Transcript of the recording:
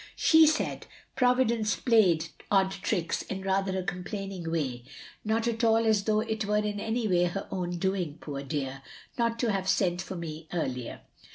''She said Providence played odd tricks, in rather a complaining way, not at all as though it were in any way her own doing, poor dear, not to have sent for me earlier.